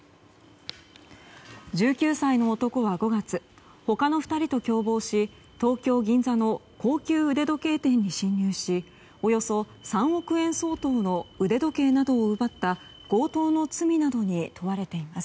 １９歳の男は５月他の２人と共謀し東京・銀座の高級腕時計店に侵入しおよそ３億円相当の腕時計などを奪った強盗の罪などに問われています。